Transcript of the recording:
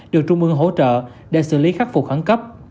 được trung ương hỗ trợ để xử lý khắc phục khẩn cấp